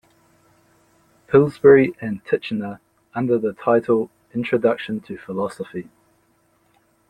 Pillsbury and Titchener under the title Introduction to Philosophy.